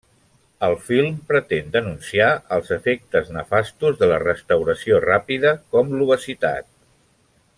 El film pretén denunciar els efectes nefastos de la restauració ràpida, com l'obesitat.